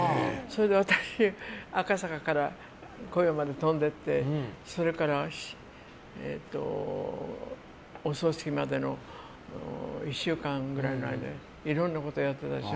私、赤坂から小岩まで飛んで行ってそれから、お葬式までの１週間ぐらいの間にいろんなことやってたでしょ。